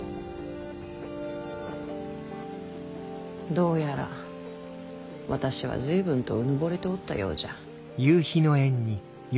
どうやら私は随分とうぬぼれておったようじゃ。